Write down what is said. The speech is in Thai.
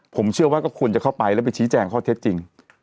ผมเชื่อว่าก็ควรจะเข้าไปแล้วไปชี้แจงข้อเท็จจริง